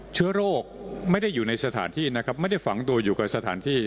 เชื้อโรคไม่ได้อยู่ในสถานที่นะครับไม่ได้ฝังตัวอยู่กับสถานที่